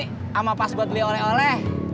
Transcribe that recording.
sama pas buat liore ore